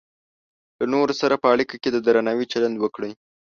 له نورو سره په اړیکه کې د درناوي چلند وکړئ.